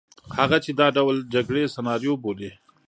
هغه چې دا ډول جګړې سناریو بولي.